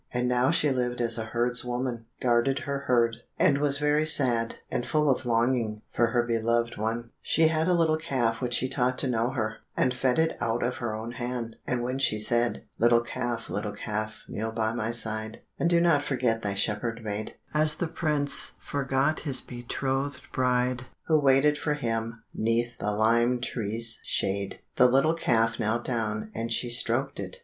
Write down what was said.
And now she lived as a herdswoman, guarded her herd, and was very sad and full of longing for her beloved one; she had a little calf which she taught to know her, and fed it out of her own hand, and when she said, "Little calf, little calf, kneel by my side, And do not forget thy shepherd maid, As the prince forgot his betrothed bride, Who waited for him 'neath the lime tree's shade." the little calf knelt down, and she stroked it.